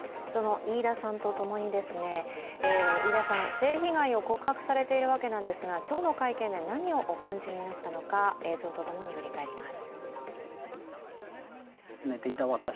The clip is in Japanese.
飯田さんは性被害を告白されているわけですが、今日の会見で何をお感じになったのか映像と共に振り返ります。